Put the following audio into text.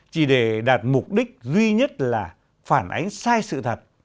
chỉ để đạt mục đích duy nhất là phản ánh sai sự thật